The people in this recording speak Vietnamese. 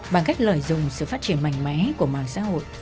bằng cách lợi dụng sự phát triển mạnh mẽ của mạng xã hội